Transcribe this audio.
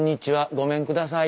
ごめんください。